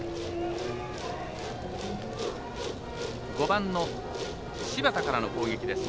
５番の柴田からの攻撃です。